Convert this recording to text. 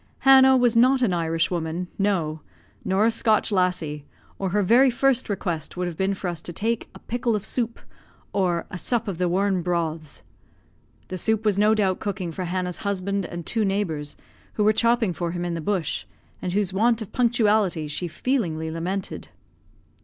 Hannah was not an Irishwoman, no, nor a Scotch lassie, or her very first request would have been for us to take "a pickle of soup," or "a sup of thae warm broths." The soup was no doubt cooking for Hannah's husband and two neighbours, who were chopping for him in the bush; and whose want of punctuality she feelingly lamented.